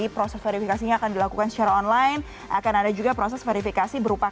jadi proses verifikasi akan dilakukan secara online akan ada juga proses verifikasi berupa